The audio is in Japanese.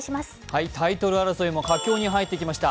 タイトル争いも佳境に入ってきました。